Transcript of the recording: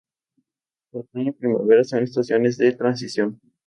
Otoño y primavera son estaciones de transición.